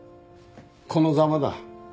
このざまだ。